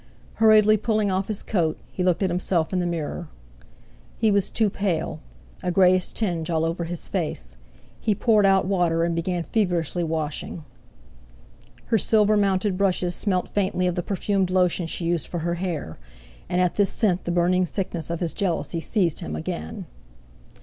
Hurriedly pulling off his coat, he looked at himself in the mirror. He was too pale, a greyish tinge all over his face; he poured out water, and began feverishly washing. Her silver mounted brushes smelt faintly of the perfumed lotion she used for her hair; and at this scent the burning sickness of his jealousy seized him again.